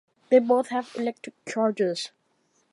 They both have electric charges.